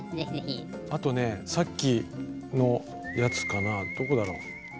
あとねさっきのやつかなどこだろう。